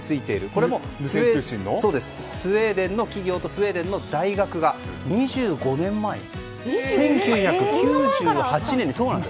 これもスウェーデンの企業とスウェーデンの大学が２５年前、１９９８年に。